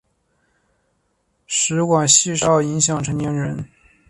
食管憩室主要影响成年人。